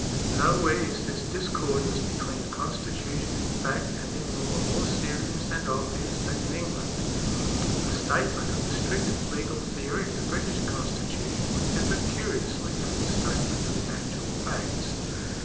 Nowhere is this discordance between the constitution in fact and in law more serious and obvious than in England. A statement of the strict legal theory of the British con stitution would differ curiously from a statement of the actual facts.